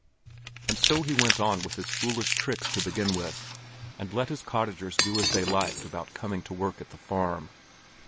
And so he went on with his foolish tricks to begin with, and let his cottagers do as they liked about coming to work at the farm.